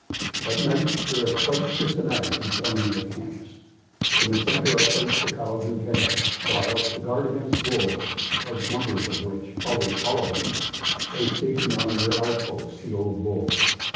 At night they are quite systematic in forming their camps. In the centre are placed the cows and calves; while, to guard against the wolves, large numbers of which always follow them, they station on their outposts, the old bulls.